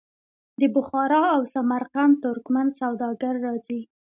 د بخارا او سمرقند ترکمن سوداګر راځي.